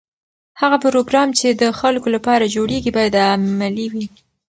هغه پروګرام چې د خلکو لپاره جوړیږي باید عملي وي.